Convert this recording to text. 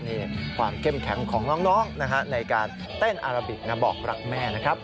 นี่ความเข้มแข็งของน้องนะฮะในการเต้นอาราบิกนะบอกรักแม่นะครับ